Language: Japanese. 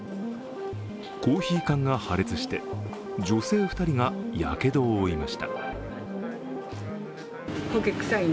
コーヒー缶が破裂して、女性２人がやけどを負いました。